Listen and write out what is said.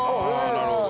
なるほど。